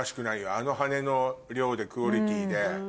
あの羽の量でクオリティーで。